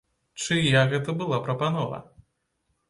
Чыя гэта была прапанова?